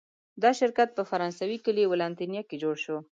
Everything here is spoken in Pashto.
دا شرکت په فرانسوي کلي ولانتینیه کې جوړ شو.